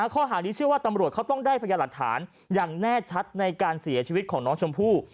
ข้อหานี้เชื่อว่าตำรวจเขาต้องได้พยาหลักฐานอย่างแน่ชัดในการเสียชีวิตของน้องชมพู่